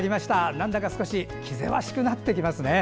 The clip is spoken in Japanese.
なんだか少し気ぜわしくなってきますね。